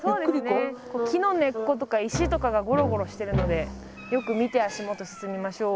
そうですね木の根っことか石とかがゴロゴロしてるのでよく見て足元進みましょう。